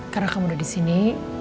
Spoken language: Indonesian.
karena kamu udah disini